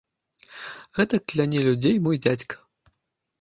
Гэтак кляне людзей мой дзядзька.